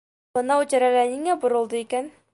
— Бынау тирәлә ниңә боролдо икән?